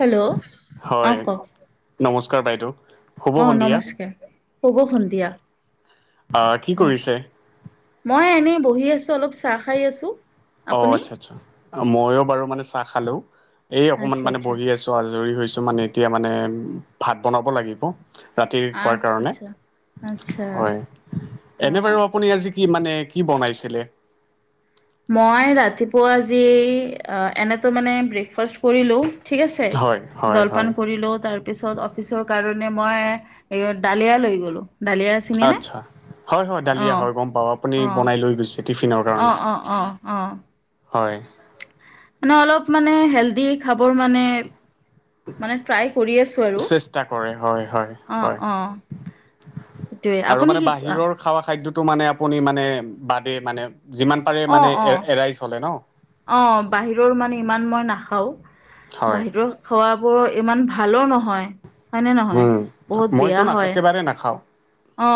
Hello অ হয়, নমস্কাৰ বাইদেউ। শুভ অঁ', সন্ধিয়া -নমস্কাৰ, শুভ সন্ধিয়া। অহঁ', কি অ কৰিছে? মই এনেই বহি আছো অলপ চাহ খাই আছোঁ। অ', -আচ্ছা'-আচ্ছা'। মইও বাৰু মানে চাহ খালো, এই অকণমান আচ্ছা মানে আচ্ছা বহি আছো। আজৰি হৈছো মানে এতিয়া মানে ভাত বনাব লাগিব। ৰাতি খোৱাৰ আচ্ছা কাৰণে আচ্ছা আচ্ছা হয়। অ এনেই বাৰু আপুনি আজি- কি মানে কি বনাইছিলে? মই ৰাতিপুৱা আজি আঁহ' এনেইতো মানে ব্ৰেকফাষ্ট কৰিলোঁ। ঠিক আছে। হয় হয় জলপান হয় কৰিলো, তাৰ তাৰপিছত অফিচৰ কাৰণে মই ডালিয়া লৈ গ'লোঁ। ডালিয়া চিনিনে আচ্ছা' হয়-হয়, ডালিয়া অঁ হয়, গম পাওঁ আপুনি অঁ বনাই লৈ গৈছে। টিফিনৰ কাৰণে, অঁ অঁ অঁ অঁ হয়। মানে অলপ মানে হেল্ডি খাবৰ মানে- মানে ট্ৰাই কৰি আছো আৰু, চেষ্টা কৰে হয় হয় অঁ', হয় -অঁ', -। এইটোৱে, আৰু আপুনি মানে কি কোৱা? বাহিৰৰ খাৱা খাদ্যটো মানে আপুনি মানে বাদে মানে যিমান পাৰে মানে এ' এৰাই চলে ন'। অঁ', বাহিৰৰ মানে ইমান মই নাখাওঁ। হয় বাহিৰৰ- খোৱাবোৰ ইমান ভালো নহয়, হয় নে নহয়, বহুত বেয়া হয়। তাৰে নাখাওঁ। অ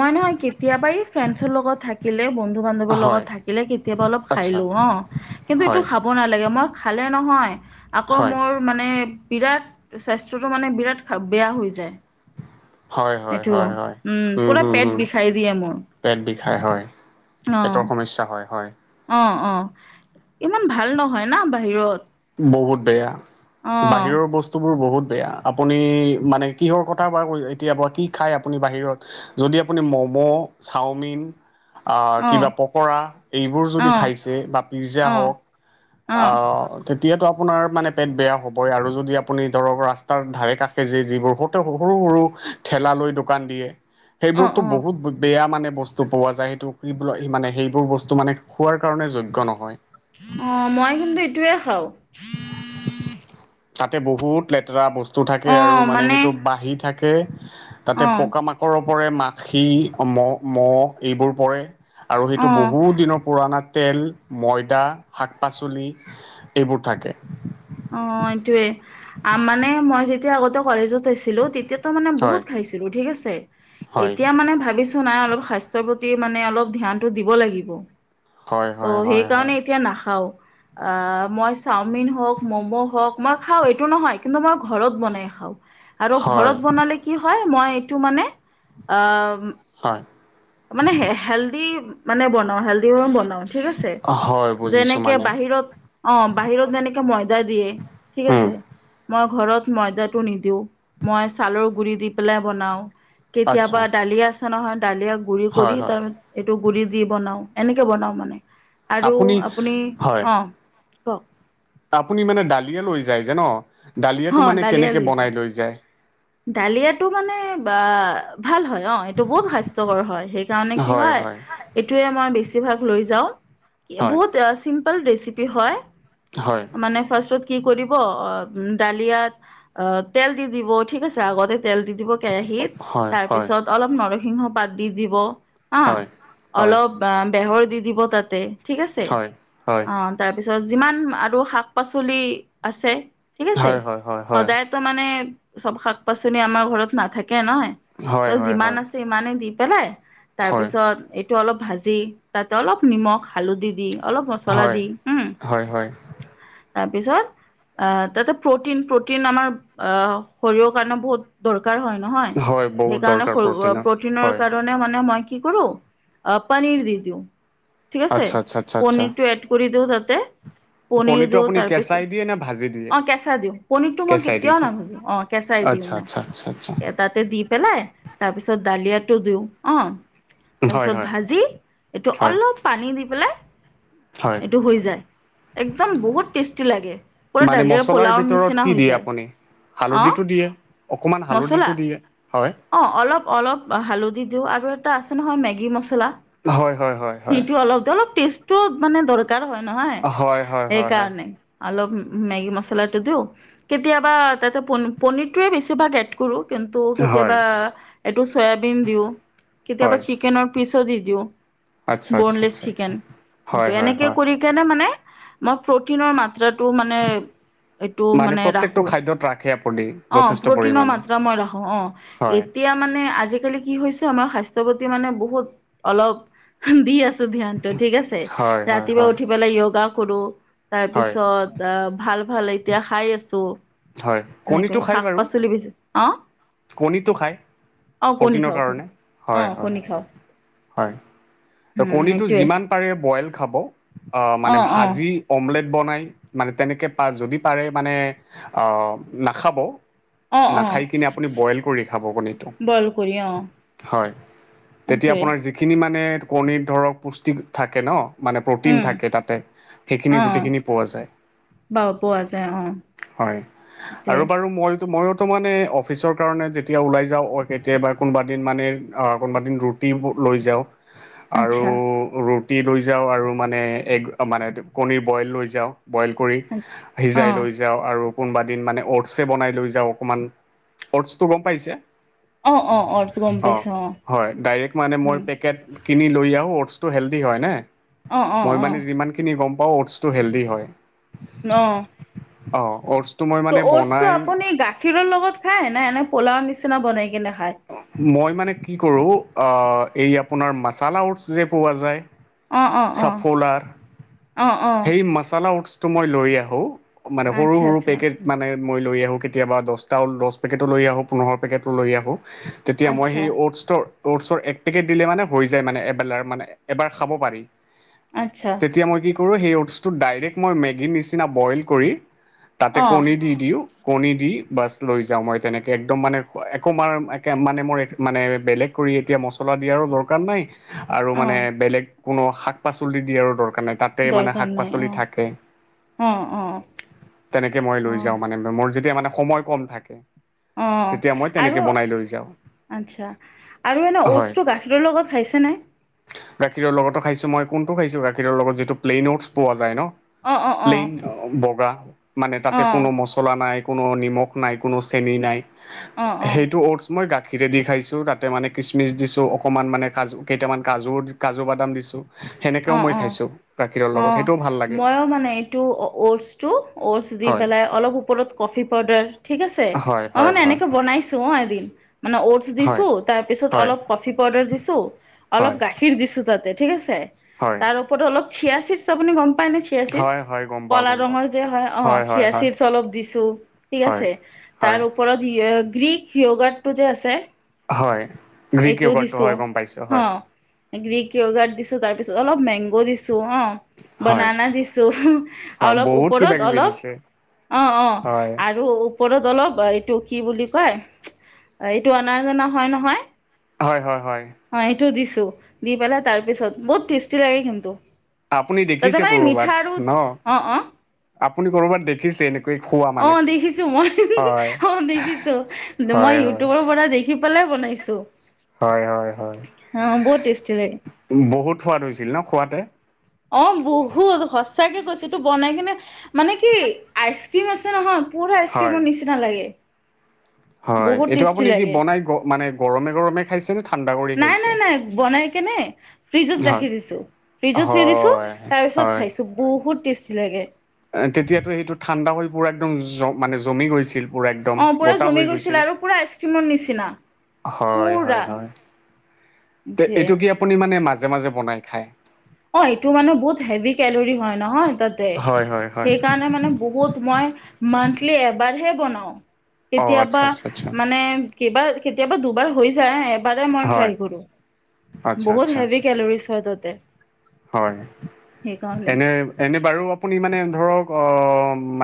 মই নহয় কেতিয়াবা এই ফ্ৰেণ্ডছৰ লগত থাকিলে, বন্ধু বান্ধৱৰ লগত হয় থাকিলে কে কেতিয়াবা অলপ খাই আচ্ছা লও অহ কিন্তু এইটো হয় খাব নালাগে, মই খালে নহয় আকৌ হয় মোৰ মানে বিৰাট স্বাস্থ্যতটো মানে বিৰাট বেয়া হৈ যায়। হয় হয় এইটো হয় হয়, উম পুৰা পেট উম, বিষাই দিয়ে মোৰ পেট বিষাই হয়। অ', পেটৰ সমস্যা হয়, হয়। অ অ ইমান ভাল নহয় না বাহিৰত। বহুত বেয়া অ বাহিৰৰ ব বস্তুবোৰ বহুত বেয়া, আপুনি মানে কিহৰ কথা বা কৈ এতিয়া বা কি খায় আপুনি বাহিৰত। যদি আপুনি ম'ম, চাওমিন, আহ অ কিবা পকৰা এইবোৰ অ যদি খাইছে বা অ পিজ্জা হওক অ আঁ। তেতিয়াতো আপোনাৰ মানে পেট বেয়া হ'বই আৰু যদি আপুনি ধৰক ৰাস্তাৰ কাষে যে যিবোৰ হুত ত সৰু সৰু ঠেলা লৈ দোকান দিয়ে, অ অ সেইবোৰতো বহুত বেয়া মানে বস্তু পোৱা যায়, সেইটো কি বো মানে সেইবোৰ বস্তু মানে খোৱাৰ কাৰণে যোগ্য নহয়। অ মই কিন্তু এইটোৱে খাওঁ। তাতে বহুত লেতেৰা বস্তু থাকে আৰু মানে সেইটো বাঢ়ি থা কে অ তাতে পকা মাকৰৰ পৰে মাখি মহ মহ এইবোৰ পৰে। আৰু অ সেইটো বহুত দিনৰ পুৰণা তেল, ময়ডা, শাক পাচলি এইবোৰ থাকে। অ এইটোয়ে, মানে মই যেতিয়া আগতে কলেজত আছিলো তেতিয়া ত মানে বহুত হয় খাইছিলো ঠিক আছে, হয়। এতিয়া মানে ভাবি নাই অলপ স্বাস্থ্যৰ প্ৰতি মানে অলপ ধ্যানটো দিব লাগিব। হয় ত হয় হয় হয় সেইকাৰণে এতিয়া নাখাও, আহ মই চাওমিন হওঁক মম হওক মই খাও এইটো নহয় কিন্তু মই ঘৰত বনাই খাও আৰু হয় ঘৰত বনালে কি হয় মই এইটো মানে আ হয়। মানে হেল্ডি মানে বনাও হেল্ডি মে বনাও। ঠিক আছে, হয় বুজিছোঁ যেনেকে মানে বাহিৰত অ বাহিৰত যেনেকে মই দা দিয়ে ঠিক উম আছে। মই ঘৰত ময়দাটো নিদিওঁ, মই ছালৰ গুৰি দি পেলাই বনাওঁ। আচ্ছা কেতিয়াবা ডালিয় আছে নহয় ডালিয় গুৰি কৰি হয় হয় তাৰ এইটো গুৰি দি বনাওঁ এনেকৈ বনাওঁ মানে আৰু আপুনি হয় অঁ আপুনি মানে ডালিয়া লৈ যে ন, ডালিয়াটো মানে কেনেকে বনাই যায়? ডালিয়াতটো মানে আ ভাল হয় অ। এইটো বহুত স্বাস্থ্যকৰ হয়, সেই কাৰণে কি হয় এইটোৱে মই বেছিভাগ লৈ যাওঁ। হয় বহুত আ চিম্পল ৰেচিপি হয়। হয়। মানে ফাৰ্ষ্টত কি কৰিব ডালীয়াত তেল দিদিব ঠিক আছে আগতে তেল দি দিব কেৰাহীত হয় তাৰ হয় পিছত অলপ নৰসিংহ পাত দি দিব। অঁ হয় হয় অলপ বেহৰ দি দিব তাতে ঠিক আছে, হয় হয় অ তাৰপিছত যিমান আৰু শাক পাচলি আছে ঠিক আছে, হয় হয় হয় হয় সদায় টো মানে চব শাক পাচলি আমাৰ ঘৰত নাথাকে নহয় হয় হয় হয় ত হয় যিমান আছে ইমানে দি পেলাই তাৰপিছত এইটো অলপ ভাজি তাতে অলপ নিমখ হালধি দি অলপ মচলা হয় দি, উ। হয় হয় তাৰপিছত অ', তাতে প্ৰটিন, প্ৰটিন আমাৰ অ'। শৰীৰৰ কাৰণে বহুত দৰকাৰ হয় নহয়, হয় বহুত সেইকাৰণে দৰকাৰ শৰী প্ৰটিনৰ হয় কাৰণ ণে মানে মই কি কৰোঁ, পনিৰ দি দিওঁ। ঠিক আছে, আচ্ছা আচ্ছা আচ্ছা আচ্ছা পনিৰটো এড কৰি দিওঁ যাতে পনিৰ পনীৰটো দিওঁ আপুনি তাৰ পিছত, কেঁচাই দিয়ে নে ভাজি দিয়ে অ', কেঁচা দিওঁ। পনিৰটো মই কেঁচাই দি কেতিয়াও দিয়ে নাভাজো অ'। কেঁচাই দিওঁ আচ্ছা মই। আচ্ছা আচ্ছা আচ্ছা এ, তাতে দি পেলাই তাৰ পিছত ডালিয়াটো দিওঁ। অ'। হয় তাৰপিছত হয় ভাজি, এইটো হয় অলপ পানী দি পেলাই হয় এইটো হৈ যায়। একদম বহুত টেষ্টি লাগে। পুৰা মানে দালিৰ মচলাৰ পোলাওৰ ভিতৰত নিচিনা কি হৈ দিয়ে যায় আপুনি। অঁ হালধিটো দিয়ে, অকমান হালধিটো দিয়ে। হয়। অ', অলপ, অলপ হালধি দিওঁ আৰু এটা আছে নহয় মেগী মচলা। হয় হয় হয় হয় সেইটো অলপ, অলপ টেষ্টও মানে দৰ কাৰ হয় নহয় হয় হয় হয় সেইকাৰণে। অলপ মেগী মছলাটো দিওঁ। কেতিয়াবা তাতে পনী পনীৰটোৱে বেছিভাগ এড কৰো। কিন্তু হয় কেতিয়াবা, হয় এইটো চয়াবিন দিওঁ কেতিয়াবা, হয় চিকেনৰ পিচো দি দিওঁ। আচ্ছা আচ্ছা বনলেছ আচ্ছা আচ্ছা চিকেন। সেইটো হয় হয় এনেকে হয় কৰি সেইকাৰণে মানে, মই প্ৰটিনৰ মাত্ৰাটো মানে, এইটো মানে ৰাখো। য'ত ৰাখেপ প্ৰ'টিন। অ', প্ৰটিনৰ মাত্ৰা মই ৰাখো। অ', হয় এতিয়া মানে, আজিকালি কি হৈছে, আমাৰ স্বাস্থ্যৰ প্ৰতি মানে বহুত অলপ, দি আছ চ ধ্যানটো ঠিক আছে, হয় হয় ৰাতিপুৱা হয় উঠি পেলাই য়গা কৰো হয় তাৰপিছত। অ', ভাল ভাল এতিয়া খাই আছোঁ। হয়। কণীটো এনেকেই খায় বাৰু শাক-পাচলি বেচি, অ'। কণীটো খায় অ', কণী প্ৰ'টিনৰ খাওঁ, কণী কাৰণে খাওঁ। হয় অ', হয় কণী খাওঁ। হয় ত' কণীটো যিমান পাৰে বইল খাব, অ মানে অ ভাজি অমলেট বনাই, মানে তেনেকে পা যদি পাৰে মানে, অ', নাখাব। অ অ নাখাই কিনে আপুনি বইল কৰি খাৱ কণীটো। বইল কৰি অ হয়। তেতিয়া এইটোৱে আপোনাৰ যিখিনি মানে কণী দৰক পুষ্টিক থাকে ন! মানে প্ৰ'টিন উম, থাকে তাতে, সেইখিনি অ', গোটেইখিনি পৱা যায়। বাৰু পোৱা যায় হয় অ'। আৰু সেটোৱে। বাৰু মইতো ময়োতো মানে অফিচৰ কাৰণে যেতিয়া ওলাই যাওঁ, কেতিয়াবা কোনোবাদিন মানে অ', কোনোবাদিন ৰুট টি বোৰ লৈ যাওঁ। আৰু, আচ্ছা। ৰুটি লৈ যাওঁ আৰু মানে এগ, মানে কণী বইল লৈ যাওঁ। বইল কৰি সিজাই অ', লৈ যাওঁ। আৰু কোনোবা দিন মানে অ'টছ এ বনাই লৈ যাওঁ অকমান, অ'টছটো গম পাইছে? অ', অ', অ'টছ গম অ', পাইছোঁ হয় ডাইৰেক্ট মানে মই উম, পেকেট কিনি লৈ যাওঁ। অ'টছটো হেল্ডি হয় নে, অ', অ', মই অ', মানে যিমান খিনি গম পাওঁ অ'টছটো হেল্ডি হয়। অ'। অ', অ'টছ ত' অ'টছটো আপুনি গাখীৰৰ লগত খায়, নে এনেই পোলাও নিচিনা বনাই কিনে খায়? মই মানে কি কৰোঁ, অ', এই আপোনাৰ মাছালা অ'টছ যে পোৱা যায় অ', অ', অ', চাফলাৰ অ', অ', সেই মছলা উস্ত টো মই লৈ আহো, মানে সৰু আচ্ছা, সৰু আচ্ছা, পেকেট - মানে মই লৈ আহোঁ কেতিয়াবা দহটা ও দহ পেকেটো লৈ আহোঁ পোন্ধৰ পেকেটো লৈ আহোঁ। তেতিয়া মই আচ্ছা, সেই অ'স্তৰ অ'টছৰ এক পেকেট দিলে মানে হৈ যায় মানে এবেলাৰ মানে এবাৰ খাব পাৰি। আচ্ছা। তেতিয়া মই কি কৰোঁ সেই অ'টছটো ডাইৰেক্ট মই মেগীৰ নিচিনা বইল কৰি - তাতে অ', কণী দি দিওঁ - কণী দি বছ লৈ যাওঁ মই তেনেকে একদম মানে একো মাৰ একে মানে মোৰ মানে বেলেগ - কৰি এতিয়া মছলা দিয়াৰো দৰকাৰ নাই - আৰু মানে অ', বেলেগ কোনো শাক পাচলি দিয়াৰো দৰকাৰ নাই তাত - তে মানে দৰকাৰ শাক নাই পাচলি অ', থাকে। অ', অ', তেনেকে মই লৈ অ', যাওঁ মানে - মোৰ যেতিয়া মানে সময় কম থাকে। অ', তেতিয়া মই আৰু তেনেকে - বনাই লৈ যাওঁ আচ্ছা, আৰু এনেই হয় অ'টছটো গাখীৰৰ লগত খাইছে নে? গাখীৰৰ লগতো খাইছো মই, কোনটো খাইছো গাখীৰৰ লগত যিটো প্লেইন অ'টছ পোৱা যায় ন। অঁ', অঁ', অঁ'। অ', বগা মানে তাতে কোনো মছলা নাই, কোনো নিমখ নাই, কোনো চে চেনি নাই, অ', অ'। সেইটো অ'টছ মই গা খীৰেদি খাইছোঁ, তাতে মানে কিচমিচ দিছোঁ, অকণমান মানে কাজু কেইটামান কাজুৰ কাজু বাদাম দিছোঁ - অ', অ', অ' সেইটোও ভাল লাগে মইয়ো মানে এইটো অ'টছ টো অ'টছ দি হয় পেলাই অলপ ওপৰত - কফি পাউদাৰ ঠিক আছে হয় মই হয় মানে হয় এনেকৈ বনাইছো অ এদিন মানে অ'টছ - দিছো, হয় তাৰ পিছত হয় অলপ কফি পাউডাৰ দিছো, অলপ হয় গাখীৰ দিছো তাতে, ঠিক আছে। হয় তাৰ ওপৰত অলপ চিয়াচিজ আপুনি গম নে? হয়, হয়। গম পাওঁ কলা গম পাওঁ ৰঙৰ যে হয়, অ' হয় হয় চিয়াচিছ্ অলপ দিছো ঠিক হয় আছে। হয় তাৰ ওপৰত গ্ৰীক য়োগাটো যে আছে - হয়, গ্ৰীক য়োগটো হয় গ'ম পাইছোঁ হ হয়। গ্ৰীক য়োগাৰ্ড দিছো, তাৰ পিছত অলপ মেংগ' দিছো হঁ। হয় বানানা দিছো হয় অলপ বহুত কিবা ওপৰত কিবি অলপ - দিছে অ' অ' হয় আৰু - ওপৰত অলপ এইটো কি বুলি কয় এইটো অনাজনা হয় নহয় - হয়, হয়, হয়। অ' এইটো দিছো, দি পেলাই তাৰ পিছত বহুত টেষ্টি লাগে কিন্তু। আপুনি তাতে দেখিছে মানে মিঠা কৰবাত আৰু ন? অ অ আপুনি কৰবাত দেখিছে এনে অ' দেখিছো মই অ' দেখিছো হয় মই হয় ইউটিউবৰ পৰা দেখ খি পেলাই বনাইছো। হয়, হয়, হয়। টেষ্টি লাগে বহুত সোৱাদ হৈছিল ন খোৱাতে? অ' বহুত সঁচাকে কৈছে এইটো বনাই কিনে মানে কি আইচ ক্ৰীম আছে নহয় - পুৰা হয় আইচক্ৰীমৰ নিচিনা লাগে। হয়। বহুত এইটো টেষ্টি আপুনি কি লাগে বনাই মানে গৰমে গৰমে খাইছে নে ঠাণ্ডা কৰি - নাই নাই নাই বনাই কেনে ফ্ৰিজত হয় ৰাখি দিছো। ফ্ৰিজট থৈ দিছো, হয় তাৰপিছত হয় খাইছো বহুত টেষ্টি লাগে। তেতিয়াতো সেইটো ঠাণ্ডা হৈ পুৰা একদম জ মানে জমি গৈছিল? পুৰা একদম অ' পুৰা গোটা জমি হৈ গৈছিল আৰু পুৰা আইচক্ৰীমৰ নিচিনা। হয়, হয়, পুৰা হয়। [unintelligible] এইটো কি আপুনি মানে মাজে মাজে বনাই খায়? অ এইটো মানে বহুত হেভি কেলৰি হয় নহয় তাতে। হয় হয় হয় সেইকাৰণে মানে বহুত মই মান্থলি এবাৰহে বনাওঁ। অ আচ্ছা কেতিয়াবা আচ্ছা আচ্ছা মানে কিবা কেতিয়াবা দুবাৰ হৈ যায়, এবাৰে মই হয় ট্ৰাই কৰো। আচ্ছা বহুত আচ্ছা হেভি কেলৰিজ হয় তাতে। হয়। সেইকাৰণে এনে এনেই বাৰু আপুনি মানে ধৰক অ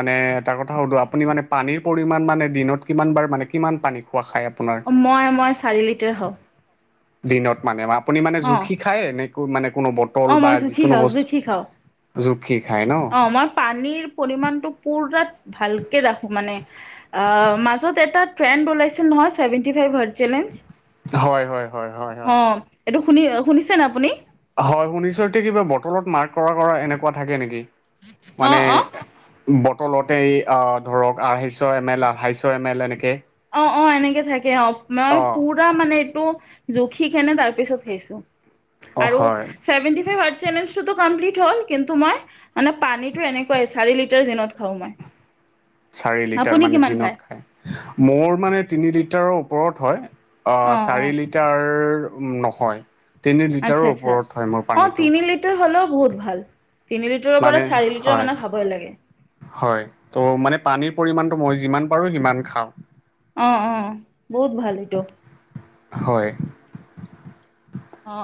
মানে এটা কথা সোধো, আপুনি মানে পানীৰ পৰিমাণ মানে দিনত কিমান বাৰ মানে কিমান পানী খোৱা খায় আপোনাৰ? অ মই মই চাৰি লিটাৰ খাওঁ। দিনত মানে? আপুনি মানে অ জুখি খায় নে মানে কোনো বট অ মই জুখি খাওঁ জুখি খাওঁ। জুখি খায় ন অ মই পানীৰ পৰিমাণটো পুৰা ভালকে ৰাখো মানে। অ মাজত এটা ট্ৰেণ্ড ওলাইছিল নহয় চেভেণ্টি ফাইভ হা চেলেঞ্জ। হয় হয় হয় হয় হয় অ এইটো শুনি শুনিছেনে আপুনি? হয়, শুনিছো এইটো কিবা বটলত মাৰ্ক কৰা কৰা এনেকুৱা থাকে নেকি? অ', মানে অ', বটলতে আ ধৰক আঢ়াইশ এম এল আঢ়াইশ এম এল এনেকে। অ অ এনেকে থাকে। অ মই অ', পুত ৰা মানে এইটো জুখি খেনে তাৰ পিছত খাইছো। অ', আৰু হয় চেভেণ্টি ফাইভ হ'ট চেলেঞ্জটো কমপ্লিট হ'ল। কিন্তু মই মানে পানীটো এনেকুৱাই চাৰি লিটাৰ দিনত খাওঁ মই। চাৰি লিটাৰ আপুনি মানে কিমান দিনত খায়, মোৰ মানে তিনি লিটাৰৰ ওপৰত হয়। অ চাৰি লিটাৰ নহয়, তিনি আচ্ছা লিটাৰৰ আচ্ছা ওপৰত হয় মোৰ অ', পানীটো। তিনি লিটাৰ হ'লেও বহুত ভাল, তিনি লিটাৰৰ পৰা মানে চাৰি লিটাৰ হয়। মানে খাবই লাগে। হয় ত মানে পানীৰ পৰিমাণটো মই যিমান পাৰো সিমান খাওঁ। অ অ বহুত ভাল এইটো। হয়। অ।